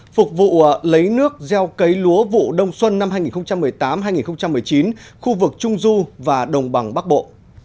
phục vụ lấy nước gieo cấy lúa vụ đông xuân năm hai nghìn một mươi tám hai nghìn một mươi chín khu vực trung du và đồng bằng bắc bộ